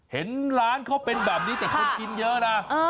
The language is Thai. เห็นร้านเขาเป็นแบบนี้แต่คนกินเยอะนะ